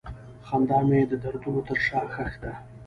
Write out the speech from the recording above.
خندا مې د دردونو تر شا ښخ ده.